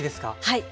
はい。